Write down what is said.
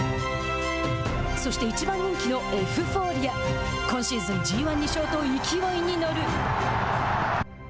そして１番人気のエフフォーリア今シーズンＧ１、２勝と勢いに乗る。